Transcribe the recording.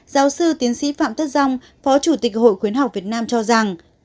giáo sư tiến sĩ phạm thất dông phó chủ tịch hội khuyến học việt nam cho rằng